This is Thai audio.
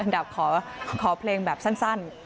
ดาบขอเพลงแบบสั้น